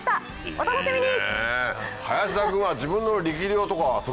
お楽しみに！